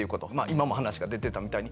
今も話が出てたみたいに。